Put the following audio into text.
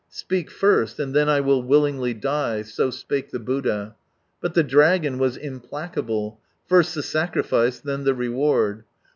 " Speak first, and then I will willingly die," so spake the Buddha. But the dragon was implacable. First the sacrifice, then the reward.